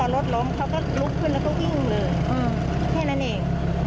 รถล้มเขาก็ลุกขึ้นแล้วก็วิ่งเลยแค่นั้นเอง